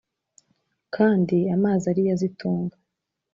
Kandi amazi ari yo azitunga.